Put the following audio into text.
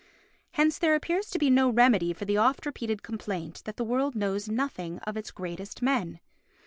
Hence there appears to be no remedy for the oft repeated complaint that the world knows nothing of its greatest men.